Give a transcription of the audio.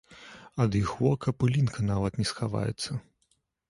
Ад іх вока пылінка нават не схаваецца.